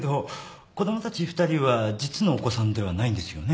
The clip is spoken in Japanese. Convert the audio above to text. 子供たち２人は実のお子さんではないんですよね。